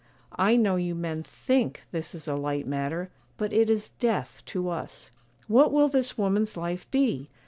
I know you men think this is a light matter; but it is death to us; what will this woman's life be?